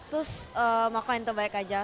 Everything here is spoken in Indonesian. terus maka yang terbaik aja